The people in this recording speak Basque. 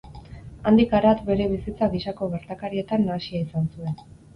Handik harat bere bizitza gisako gertakarietan nahasia izan zuen.